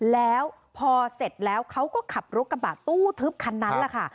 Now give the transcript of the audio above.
แล้วพอเสร็จแล้วเขาก็ขับรถกระบะตู้ทึบคันนั้นแหละค่ะ